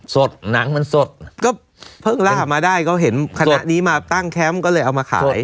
หนังมันสดก็เพิ่งล่ามาได้ก็เห็นคณะนี้มาตั้งแคมป์ก็เลยเอามาขาย